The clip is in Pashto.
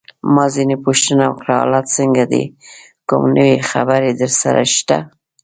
ما ځینې پوښتنه وکړه: حالات څنګه دي؟ کوم نوی خبر درسره شته؟